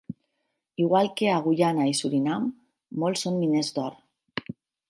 Igual que a Guyana i Surinam, molts són miners d'or.